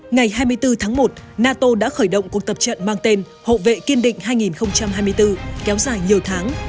ngày hai mươi bốn tháng một nato đã khởi động cuộc tập trận mang tên hậu vệ kiên định hai nghìn hai mươi bốn kéo dài nhiều tháng